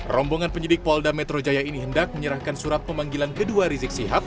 rombongan penyidik polda metro jaya ini hendak menyerahkan surat pemanggilan kedua rizik sihab